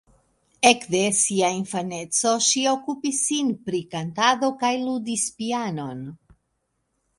Ekde sia infaneco ŝi okupis sin pri kantado kaj ludis pianon.